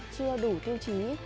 chưa đủ tiêu chí